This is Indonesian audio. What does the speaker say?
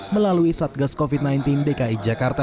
melalui satgas covid sembilan belas dki jakarta